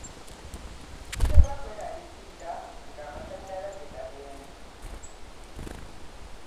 Sitera kweralikirira nga amasanyalaze gagenze.